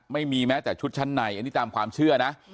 ไม่มีแม้แต่ชุดชั้นในอันนี้ตามความเชื่อนะ